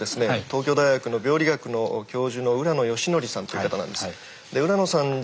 東京大学の病理学の教授の浦野順文さんという方なんです。